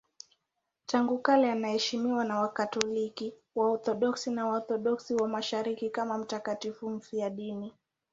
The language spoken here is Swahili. Tangu kale anaheshimiwa na Wakatoliki, Waorthodoksi na Waorthodoksi wa Mashariki kama mtakatifu mfiadini.